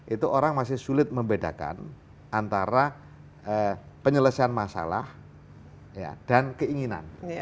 itu orang masih sulit membedakan antara penyelesaian masalah dan keinginan